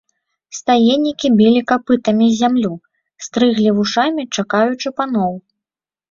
Стаеннікі білі капытамі зямлю, стрыглі вушамі, чакаючы паноў.